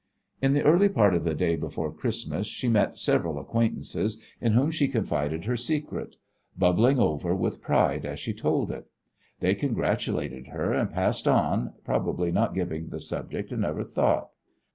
In the early part of the day before Christmas she met several acquaintances, in whom she confided her secret, bubbling over with pride as she told it. They congratulated her and passed on, probably not giving the subject another thought.